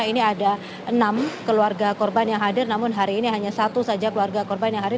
ini ada enam keluarga korban yang hadir namun hari ini hanya satu saja keluarga korban yang hadir